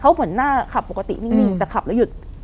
เขาเหมือนหน้าขับปกตินิ่งแต่ขับแล้วหยุด